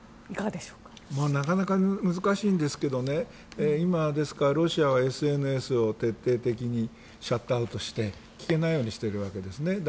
なかなか難しいんですが今、ロシアはＳＮＳを徹底的にシャットアウトして聞けないようにしているわけですね。